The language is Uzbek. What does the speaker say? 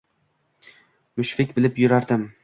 Mushfik bilib yurardim.